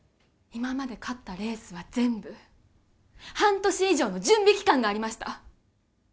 今まで勝ったレースは全部半年以上の準備期間がありました